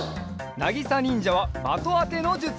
なぎさにんじゃはまとあてのじゅつ。